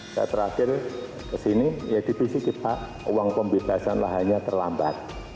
saya terakhir kesini ya divisi kita uang pembebasan lahannya terlambat